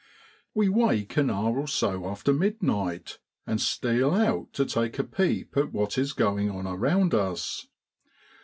We wake an hour or so after midnight, and steal out to take a peep at what is going on around us.